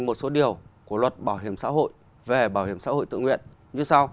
một số điều của luật bảo hiểm xã hội về bảo hiểm xã hội tự nguyện như sau